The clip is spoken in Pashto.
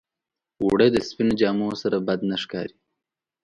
اوړه د سپينو جامو سره بد نه ښکارېږي